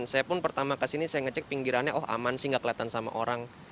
saya pun pertama kesini saya ngecek pinggirannya oh aman sih nggak kelihatan sama orang